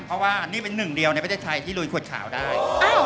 เพราะว่านี่เป็นหนึ่งเดียวในประเทศไทยที่ลุยขวดขาวได้